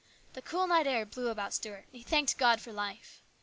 The cool night air blew about Stuart, and he thanked God for life.